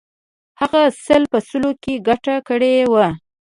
هغه سل په سلو کې ګټه کړې وه.